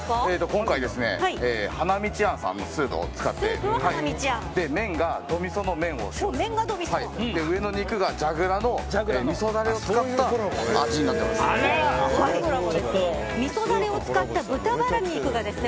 今回、花道庵さんのスープを使って麺が、ど・みその麺上の肉がじゃぐらの味噌ダレを使った味になっています。